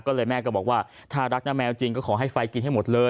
ก็เลยแม่ก็บอกว่าถ้ารักนะแมวจริงก็ขอให้ไฟกินให้หมดเลย